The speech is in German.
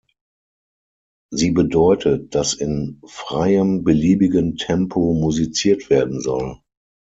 Sie bedeutet, dass in freiem, beliebigen Tempo musiziert werden soll.